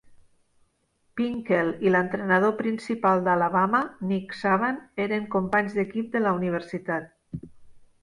Pinkel i l'entrenador principal d'Alabama, Nick Saban, eren companys d'equip de la universitat.